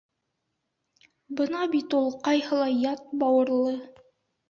— Бына бит ул ҡайһылай ят бауырлы.